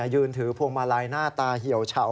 ยืนถือพวงมาลัยหน้าตาเหี่ยวเฉา